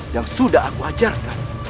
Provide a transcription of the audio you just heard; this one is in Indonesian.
yang sudah aku ajarkan